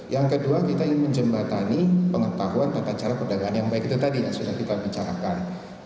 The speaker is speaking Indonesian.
yang kedua kita ingin menjembatani pengetahuan tata cara perdagangan yang baik itu tadi yang sudah kita bicarakan